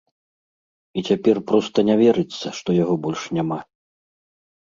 І цяпер проста не верыцца, што яго больш няма.